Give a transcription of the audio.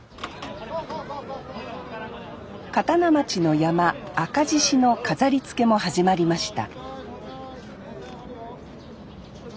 刀町の曳山赤獅子の飾りつけも始まりました